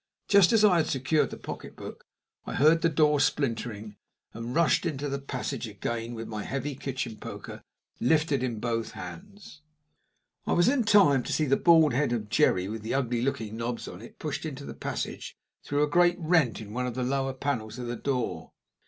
Just as I had secured the pocketbook I heard the door splintering, and rushed into the passage again with my heavy kitchen poker lifted in both hands. I was in time to see the bald head of Jerry, with the ugly looking knobs on it, pushed into the passage through a great rent in one of the lower panels of the door.